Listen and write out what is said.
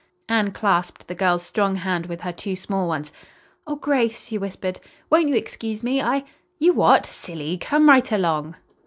Anne clasped the girl's strong hand with her two small ones. "Oh, Grace," she whispered, "won't you excuse me? I I " "You what? Silly, come right along!"